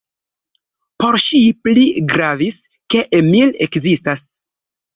Por ŝi pli gravis, ke Emil ekzistas.